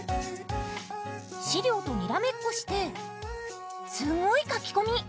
資料とにらめっこしてすごい書き込み！